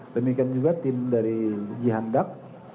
demikian juga tim dari jihandak